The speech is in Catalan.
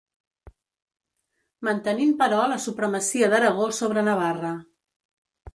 Mantenint però la supremacia d'Aragó sobre Navarra.